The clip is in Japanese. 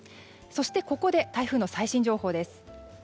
そして、ここで台風の最新情報です。